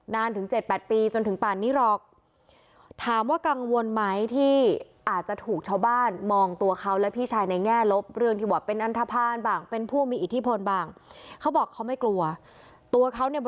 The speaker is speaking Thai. นานถึง๗๘ปีจนถึงป่านนี้หรอก